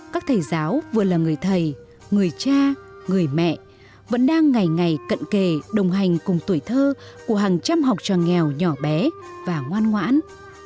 các thầy giáo vừa là người thầy người cha người mẹ vẫn đang ngày ngày cận kề đồng hành cùng tuổi thơ của hàng trăm học trò nghèo nhỏ bé và ngoan ngoãn